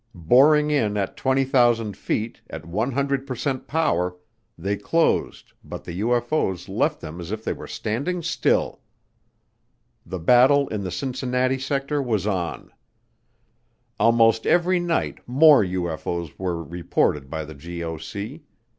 Boring in at 20,000 feet, at 100% power, they closed but the UFO's left them as if they were standing still. The battle in the Cincinnati sector was on. Almost every night more UFO's were reported by the GOC.